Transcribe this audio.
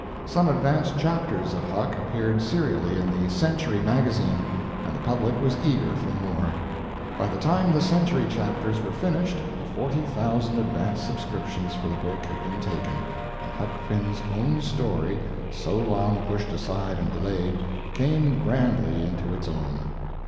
Some advanced chapters of "Huck" appeared serially in the "Century Magazine," and the public was eager for more. By the time the "Century" chapters were finished the forty thousand advance subscriptions for the book had been taken, and Huck Finn's own story, so long pushed aside and delayed, came grandly into its own.